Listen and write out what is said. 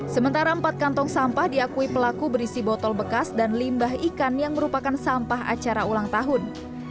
sementara empat kantong sampah diakui pelaku berisi botol bekas dan limbah ikan yang merupakan sampah acara ulang tahun